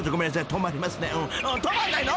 ［止まんないの⁉］